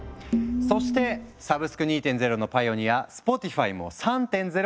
そしてサブスク２．０のパイオニアスポティファイも３．０を目指している。